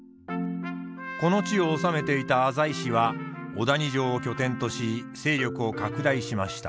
この地を治めていた浅井氏は小谷城を拠点とし勢力を拡大しました。